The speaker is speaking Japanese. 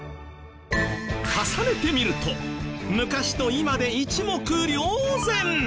重ねてみると昔と今で一目瞭然！